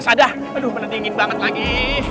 sadah aduh bener dingin banget lagi